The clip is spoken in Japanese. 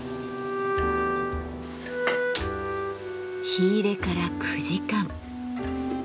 火入れから９時間。